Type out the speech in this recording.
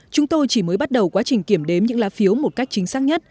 chúng tôi chỉ mới bắt đầu quá trình kiểm đếm những lá phiếu một cách chính xác nhất